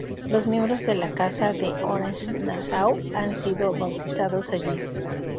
Los miembros de la Casa de Orange-Nassau han sido bautizados allí.